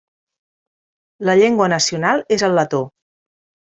La llengua nacional és el letó.